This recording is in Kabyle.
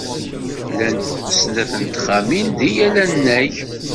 Llant snat n texxamin deg yal annag.